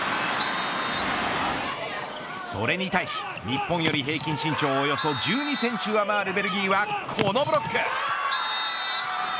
それに対し日本より平均身長およそ１２センチ上回るベルギーはこのブロック。